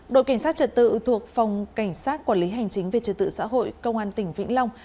đội cảnh sát trật tự thuộc phòng cảnh sát quản lý hành chính về trật tự xã hội công an tỉnh vĩnh long